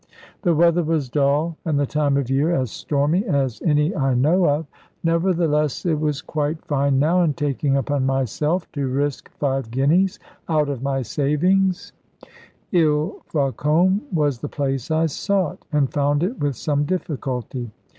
The weather was dull, and the time of year as stormy as any I know of: nevertheless it was quite fine now, and taking upon myself to risk five guineas out of my savings, Ilfracombe was the place I sought, and found it with some difficulty.